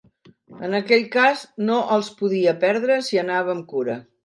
En aquell cas no els podia perdre, si anava amb cura.